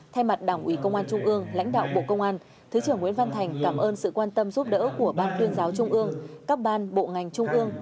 thay mặt đảng ủy công an trung ương lãnh đạo bộ công an thứ trưởng nguyễn văn thành cảm ơn sự quan tâm giúp đỡ của ban tuyên giáo trung ương các ban bộ ngành trung ương